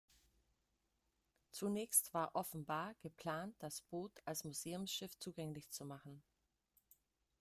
Zunächst war offenbar geplant, das Boot als Museumsschiff zugänglich zu machen.